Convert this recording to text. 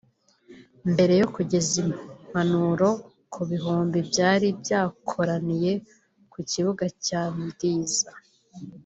Mbere yo kugeza impanuro ku bihumbi byari byakoraniye ku kibuga cya Ndiza